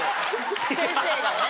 先生がね。